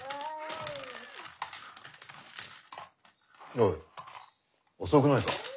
おい遅くないか？